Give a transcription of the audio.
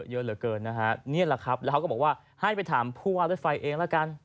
เยอะเหลือเกินนะฮะนี่แหละครับแล้วเขาก็บอกว่าให้ไปถามผู้ว่ารถไฟเองแล้วกัน